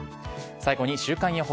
最後に週間予報。